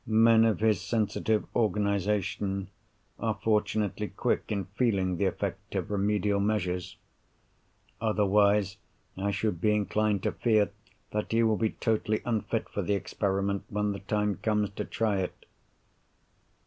Men of his sensitive organisation are fortunately quick in feeling the effect of remedial measures. Otherwise, I should be inclined to fear that he will be totally unfit for the experiment when the time comes to try it.